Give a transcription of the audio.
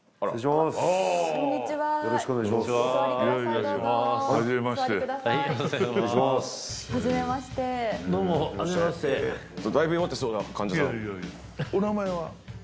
お名前は？